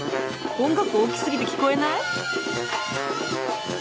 音楽大きすぎて聞こえない！？